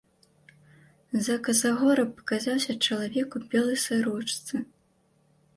З-за касагора паказаўся чалавек у белай сарочцы.